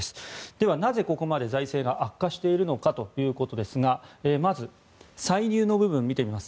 ではなぜここまで財政が悪化しているのかということですがまず、歳入の部分を見てみます。